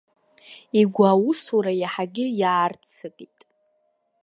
Игәы аусура иаҳагьы иаарццакит.